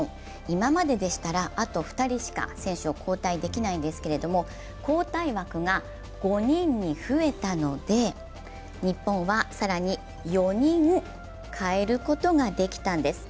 今まででしたらあと２人しか選手を交代できないんですけれども、交代枠が５人に増えたので、日本は更に４人代えることができたんです。